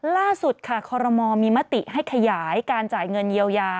ล่าสุดค่ะคอรมอลมีมติให้ขยายการจ่ายเงินเยียวยา